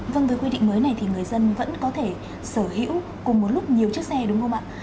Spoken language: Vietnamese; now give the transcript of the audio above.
vâng với quy định mới này thì người dân vẫn có thể sở hữu cùng một lúc nhiều chiếc xe đúng không ạ